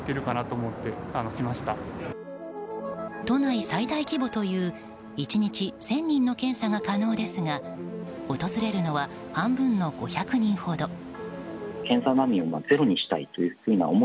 都内最大規模という１日１０００人の検査が可能ですが訪れるのは半分の５００人ほど。